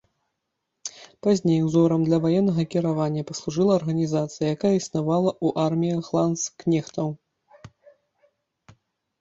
Пазней узорам для ваеннага кіравання паслужыла арганізацыя, якая існавала ў арміях ландскнехтаў.